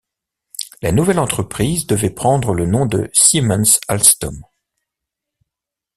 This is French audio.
La nouvelle entreprise devait prendre le nom de Siemens-Alstom.